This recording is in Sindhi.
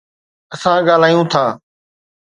اسان ڳالهايون ٿا.